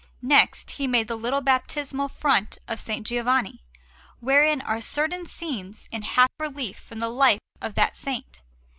Next, he made the little baptismal font of S. Giovanni, wherein are certain scenes in half relief from the life of that Saint.